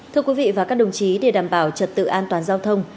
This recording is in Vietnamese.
thưa quý vị và các đồng chí để đảm bảo trật tự an toàn giao thông